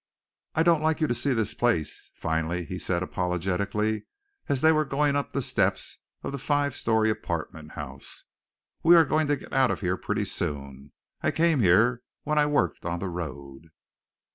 "I don't like you to see this place," finally he said apologetically, as they were going up the steps of the five story apartment house. "We are going to get out of here pretty soon. I came here when I worked on the road."